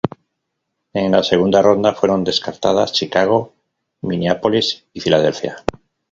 En la segunda ronda fueron descartadas Chicago, Minneapolis y Filadelfia.